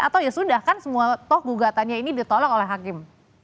atau ya sudah kan semua toh gugatannya ini ditolak oleh hakim